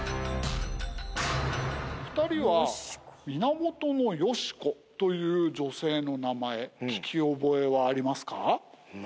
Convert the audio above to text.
２人は源よし子という女性の名前聞き覚えはありますか？